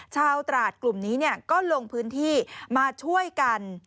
ตราดกลุ่มนี้ก็ลงพื้นที่มาช่วยกัน